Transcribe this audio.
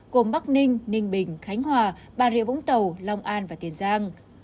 gồm bắc ninh ninh bình khánh hòa bà rịa vũng tàu long an và tiền giang